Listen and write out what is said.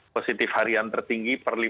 positif harian tertinggi